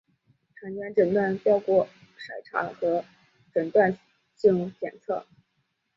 产前诊断包括筛查和诊断性检测。